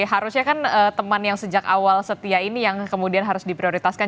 harusnya kan teman yang sejak awal setia ini yang kemudian harus diprioritaskan